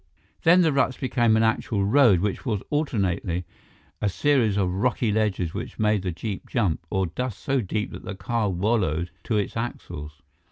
Then the ruts became an actual road, which was alternately a series of rocky ledges which made the jeep jump, or dust so deep that the car wallowed to its axles.